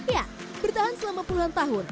ya bertahan selama puluhan tahun